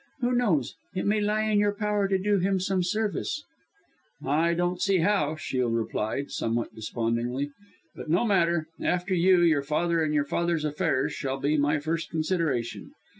Who knows it may lie in your power to do him some service." "I don't see how," Shiel replied, somewhat despondingly. "But no matter after you, your father and your father's affairs shall be my first consideration.